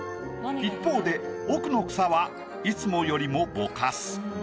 一方で奥の草はいつもよりもぼかす。